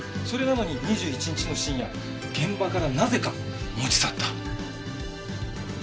それなのに２１日の深夜現場からなぜか持ち去った。